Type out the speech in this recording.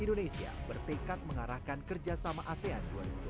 indonesia bertekad mengarahkan kerjasama asean dua ribu dua puluh